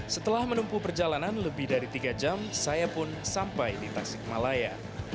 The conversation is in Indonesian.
setelah menumpuh perjalanan lebih dari tiga jam saya pun sampai di tasikmalaya